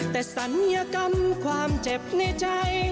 แต่ศัลยกรรมความเจ็บในใจ